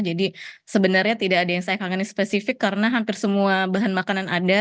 jadi sebenarnya tidak ada yang saya kangenin spesifik karena hampir semua bahan makanan ada